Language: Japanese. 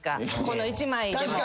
この１枚でも。